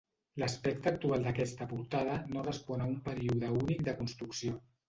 L'aspecte actual d'aquesta portada no respon a un període únic de construcció.